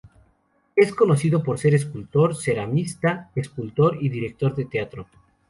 Es reconocido por ser escultor, ceramista, escritor y director de teatro.